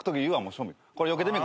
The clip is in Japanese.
これよけてみ。